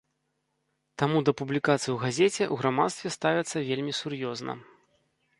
Таму да публікацый у газеце ў грамадстве ставяцца вельмі сур'ёзна.